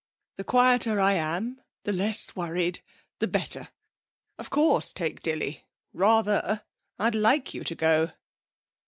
The quieter I am, the less worried, the better. Of course, take Dilly. Rather! I'd like you to go!'